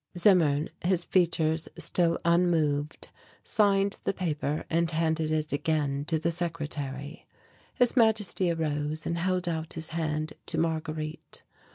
Zimmern, his features still unmoved, signed the paper and handed it again to the secretary. His Majesty arose and held out his hand to Marguerite.